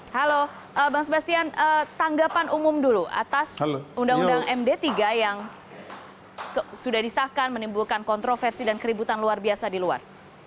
halo bang sebastian tanggapan umum dulu atas undang undang md tiga yang sudah disahkan menimbulkan kontroversi dan keributan luar biasa di luar